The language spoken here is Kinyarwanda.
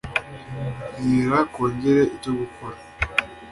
bwira kongere icyo gukora